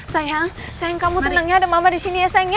sayang sayang kamu tenang ya ada mama disini ya sayang ya